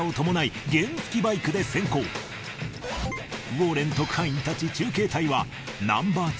ウォーレン特派員たち中継隊はＮｏ．２